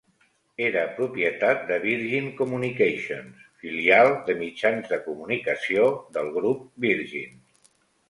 Era propietat de Virgin Communications, filial de mitjans de comunicació del grup Virgin.